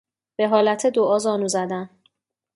به حالت دعا زانو زدن